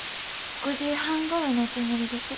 ５時半ごろのつもりです。